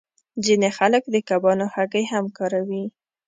ځینې خلک د کبانو هګۍ هم کاروي